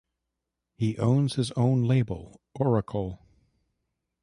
He owns his own label, Auricle.